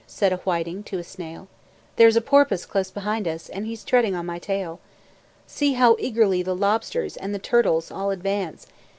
Said a whiting to a snail, "There's a porpoise close behind us, And he's treading on my tail. See how eagerly the lobsters And the turtles all advance!